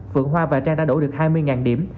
phượng hoa và trang đã đổ được hai mươi điểm